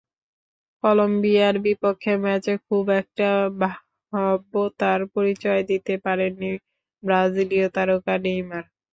কলম্বিয়ার বিপক্ষে ম্যাচে খুব একটা ভব্যতার পরিচয় দিতে পারেননি ব্রাজিলীয় তারকা নেইমার।